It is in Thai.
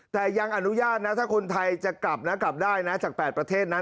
แต่ยังอนุญาตนะถ้าคนไทยจะกลับนะกลับได้นะจาก๘ประเทศนั้น